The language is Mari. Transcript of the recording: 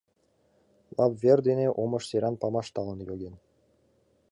Лап вер дене омыж серан памаш талын йоген.